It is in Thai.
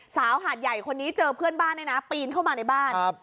สาวหาดใหญ่คนนี้เจอเพื่อนบ้านได้นะปีนเข้ามาในบ้านครับ